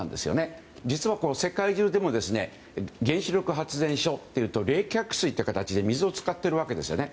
実は世界中でも原子力発電所というと冷却水という形で水を使っているわけですね。